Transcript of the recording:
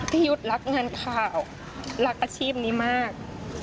ยุทธ์รักงานข่าวรักอาชีพนี้มาก